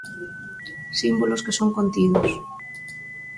Símbolos que son contidos.